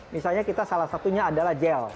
misalnya kita salah satunya adalah gel